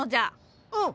うん。